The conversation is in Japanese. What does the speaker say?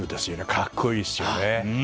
格好いいですよね。